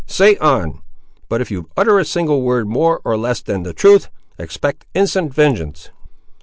"Say on; but if you utter a single word more or less than the truth, expect instant vengeance!"